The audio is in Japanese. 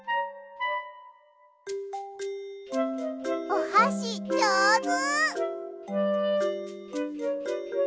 おはしじょうず！